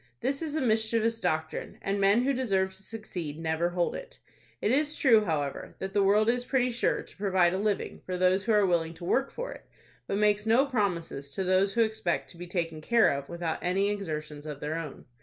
This is a mischievous doctrine, and men who deserve to succeed never hold it. It is true, however, that the world is pretty sure to provide a living for those who are willing to work for it, but makes no promises to those who expect to be taken care of without any exertions of their own.